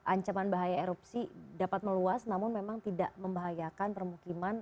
ancaman bahaya erupsi dapat meluas namun memang tidak membahayakan permukiman